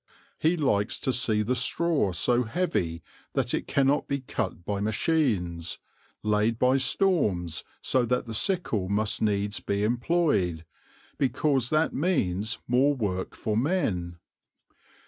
He likes to see the straw so heavy that it cannot be cut by machines, laid by storms so that the sickle must needs be employed, because that means more work for men.